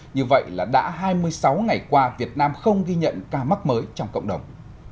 như vậy là đã hai mươi sáu ngày qua việt nam không ghi nhận ca mắc mới trong cộng đồng